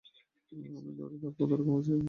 আমি দৌড়ে তার পা ধরে ক্ষমা চেয়ে বলতে চাই।